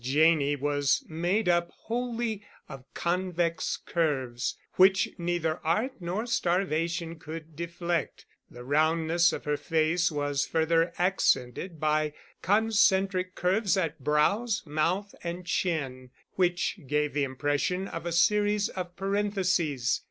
Janney was made up wholly of convex curves, which neither art nor starvation could deflect. The roundness of her face was further accented by concentric curves at brows, mouth, and chin, which gave the impression of a series of parentheses.